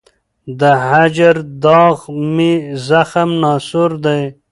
د هجر داغ مي زخم ناصور دی